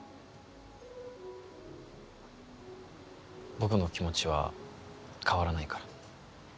僕の気持ちは変わらないから